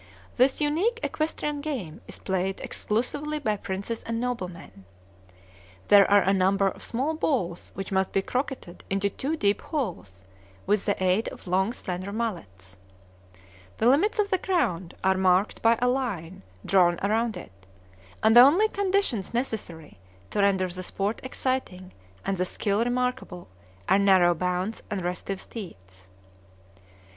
This unique equestrian game is played exclusively by princes and noblemen. There are a number of small balls which must be croqueted into two deep holes, with the aid of long slender mallets. The limits of the ground are marked by a line drawn around it; and the only conditions necessary to render the sport exciting and the skill remarkable are narrow bounds and restive steeds.